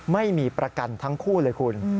ไม่มีประกันทั้งคู่เลยคุณ